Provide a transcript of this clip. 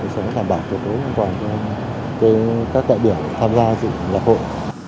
để đảm bảo cơ cố an toàn cho các đại biểu tham gia dự lập hội